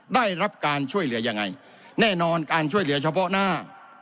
ได้รับการช่วยเหลือยังไงแน่นอนการช่วยเหลือเฉพาะหน้า